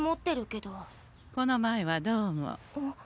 この前はどうも。